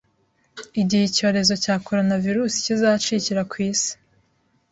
igihe icyorezo cya Coronavirus kizacikira ku isi